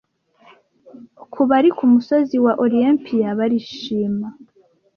Kubari kumusozi wa Olympian barishima--